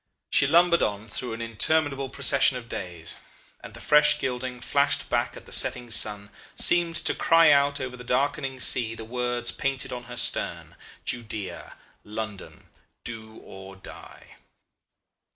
She lumbered on through an interminable procession of days; and the fresh gilding flashed back at the setting sun, seemed to cry out over the darkening sea the words painted on her stern, 'Judea, London. Do or Die.